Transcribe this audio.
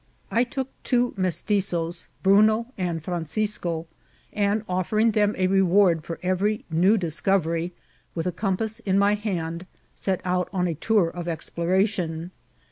I took two Mestitzoes, Bruno and Francisco, and, offer ing them a reward for every new discovery, with a compass in my hand set out on a tour of exploration.